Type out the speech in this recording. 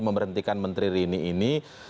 memberhentikan menteri rini ini